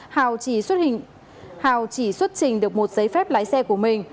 hào chỉ xuất trình được một giấy phép lái xe của mình